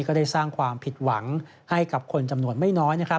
ก็ได้สร้างความผิดหวังให้กับคนจำนวนไม่น้อย